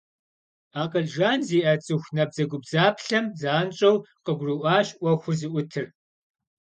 Акъыл жан зиӀэ цӀыху набдзэгубдзаплъэм занщӀэу къыгурыӀуащ Ӏуэхур зыӀутыр.